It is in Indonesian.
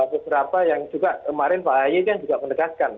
beberapa yang juga kemarin pak ahy kan juga menegaskan